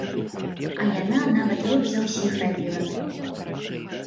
А яна нават лепш за ўсіх рабіла.